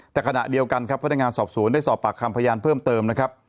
แต่ขณะเดียวกันครับพนักงานสอบสวนได้สอบปากคำพยานเพิ่มเติมนะครับ